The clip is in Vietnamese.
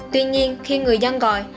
tuy nhiên khi người dân gọi